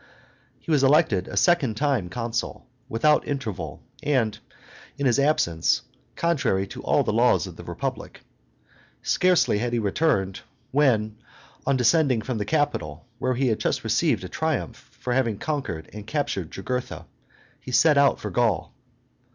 He was elected a second time consul, without interval and in his absence, contrary to all the laws of the Republic. Scarcely had he returned, when, on descending from the Capitol, where he had just received a triumph for having conquered and captured Jugurtha, he set out for Gaul.